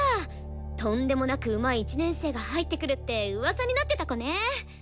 とんでもなくうまい１年生が入ってくるってうわさになってた子ね！